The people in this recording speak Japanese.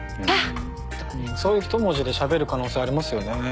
そういうひと文字でしゃべる可能性ありますよね。